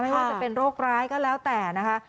ว่าจะเป็นโรคร้ายก็แล้วแต่นะคะ